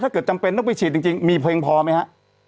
ถ้าเกิดจำเป็นต้องไปฉีดจริงจริงมีเพลงพอไหมฮะ